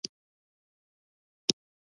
عام ولسونه يې شهیدان او ژوبل کړي دي.